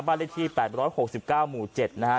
บ้านเลขที่แปดร้อยหกสิบเก้าหมู่เจ็ดนะฮะ